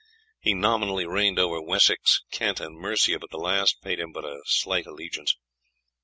He nominally reigned over Wessex, Kent, and Mercia, but the last paid him but a slight allegiance.